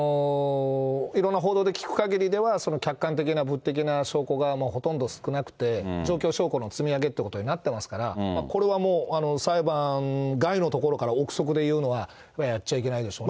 いろんな報道で聞くかぎりでは、客観的な物的な証拠がほとんど少なくて、状況証拠の積み上げということになってますから、これはもう裁判外のところから臆測で言うのは、やっちゃいけないでしょうね。